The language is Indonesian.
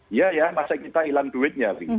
iya ya masa kita hilang duitnya sih